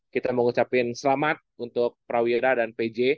kita mau ngucapin selamat untuk prawira dan pj